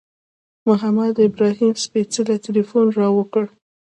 محمد ابراهیم سپېڅلي تیلفون را وکړ.